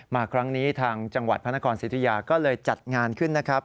มาครั้งนี้ทางจังหวัดพระนครสิทธิยาก็เลยจัดงานขึ้นนะครับ